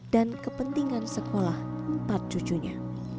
dan kepentingan sekolah empat cucunya